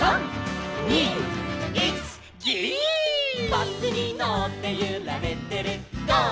「バスにのってゆられてるゴー！